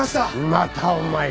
またお前か。